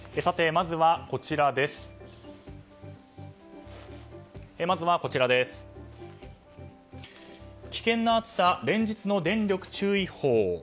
まずは、危険な暑さ連日の電力注意報。